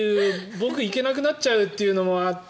僕行けなくなっちゃうというのもあって。